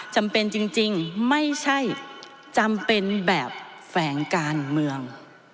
จำเป็นจริงไม่ใช่จำเป็นแบบแฝงการเมือง